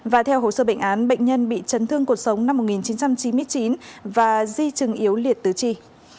và theo hồ sơ bệnh án bệnh nhân bị chấn thương cuộc sống năm một nghìn chín trăm chín mươi chín và di chứng yếu liệt tứ chi